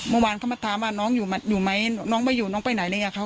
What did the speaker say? เมื่อวานเขามาถามว่าน้องอยู่ไหมน้องไม่อยู่น้องไปไหนเลยอะครับ